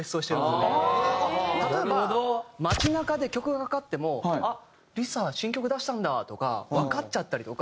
例えば街なかで曲がかかってもあっＬｉＳＡ新曲出したんだとかわかっちゃったりとか。